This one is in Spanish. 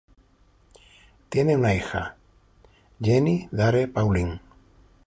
Tienen una hija, Jenny Dare Paulin.